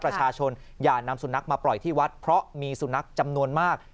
เพื่อให้ประชาชนอย่านำสุนัขมาปล่อยที่วัดเพราะมีสุนัขจำนวนมาก